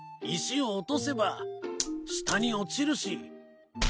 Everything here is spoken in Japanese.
石を落とせば下に落ちるし。